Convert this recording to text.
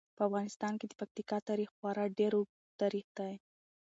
په افغانستان کې د پکتیکا تاریخ خورا ډیر اوږد تاریخ دی.